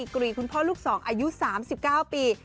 คุณพ่อลูกสองอายุ๓๙ปี